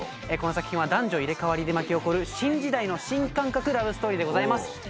この作品は男女入れ替わりで巻き起こる新時代の新感覚ラブストーリーでございます。